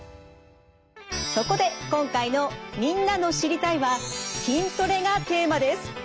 そこで今回のみんなの「知りたい！」は「筋トレ」がテーマです。